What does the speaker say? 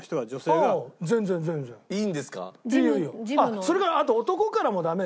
それからあと男からもダメよ？